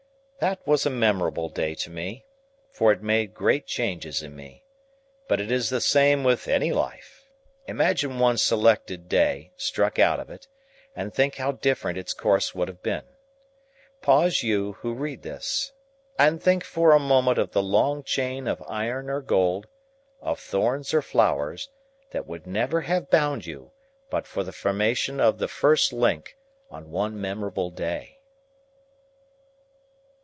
That was a memorable day to me, for it made great changes in me. But it is the same with any life. Imagine one selected day struck out of it, and think how different its course would have been. Pause you who read this, and think for a moment of the long chain of iron or gold, of thorns or flowers, that would never have bound you, but for the formation of the first link on one memorable day.